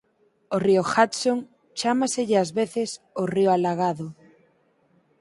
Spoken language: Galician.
Ao río Hudson chámaselle ás veces o "Río alagado".